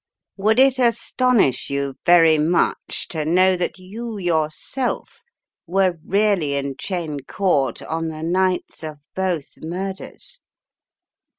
"Would it astonish you very much to know that you yourself were really in Cheyne Court on the nights of both murders